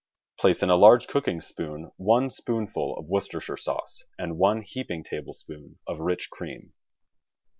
Place in a large cooking spoon one spoonful of Worcester shire sauce, and one heaping tablespoon of rich cream.